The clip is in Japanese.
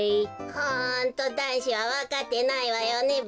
ホントだんしはわかってないわよねべ。